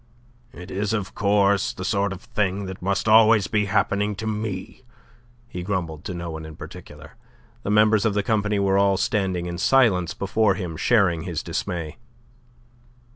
"It is of course the sort of thing that must always be happening to me," he grumbled to no one in particular. The members of the company were all standing in silence before him, sharing his dismay.